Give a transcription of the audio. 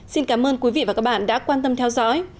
xin cảm ơn quý vị và các bạn đã quan tâm theo dõi